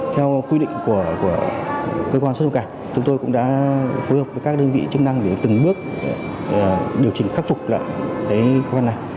theo quy định của cơ quan xuất nhập cảnh chúng tôi cũng đã phối hợp với các đơn vị chức năng để từng bước điều chỉnh khắc phục lại cái khó khăn này